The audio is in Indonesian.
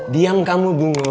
diam kamu bungo